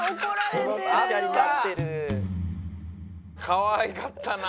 かわいかったな。